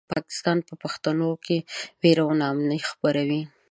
پاکستان په پښتنو کې وېره او ناامني خپروي.